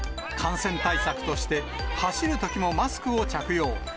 感染対策として、走るときもマスクを着用。